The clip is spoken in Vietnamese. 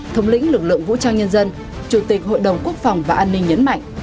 thống lĩnh lực lượng vũ trang nhân dân chủ tịch hội đồng quốc phòng và an ninh nhấn mạnh